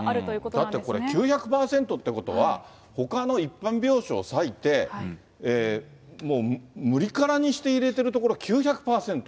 だってこれ、９００％ということは、ほかの一般病床を割いて、もう無理空にして入れてるところは９００％。